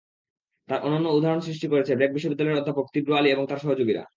তার অনন্য উদাহরণ সৃষ্টি করেছে ব্র্যাক বিশ্ববিদ্যালয়ের অধ্যাপক তীব্র আলী এবং তার সহযোগীরা।